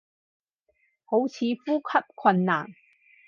好似呼吸困難